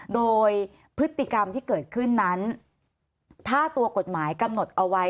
โดยพฤติกรรมที่เกิดขึ้นนั้นถ้าตัวกฎหมายกำหนดเอาไว้